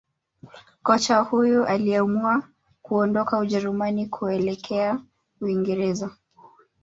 Kocha huyo aliamua kuondoka Ujerumani kuelekjea uingereza